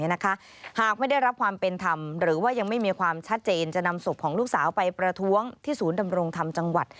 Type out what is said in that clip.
หากไม่ได้รับความเป็นธรรมหรือว่ายังไม่มีความชัดเจนจะนำศพของลูกสาวไปประท้วงที่ศูนย์ดำรงธรรมจังหวัด